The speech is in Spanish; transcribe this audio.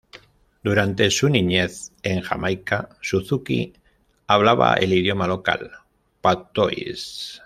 Durante su niñez en Jamaica, Suzuki hablaba el idioma local, patois.